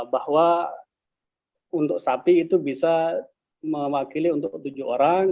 bahwa untuk sapi itu bisa mewakili untuk tujuh orang